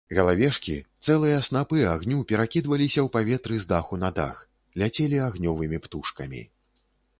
Галавешкі, цэлыя снапы агню перакідваліся ў паветры з даху на дах, ляцелі агнёвымі птушкамі.